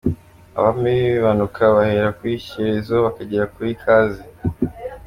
Abami b’Ibimanuka bahera kuri Shyerezo bakagera kuri Kazi.